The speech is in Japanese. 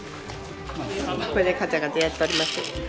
これでカチャカチャやっとります。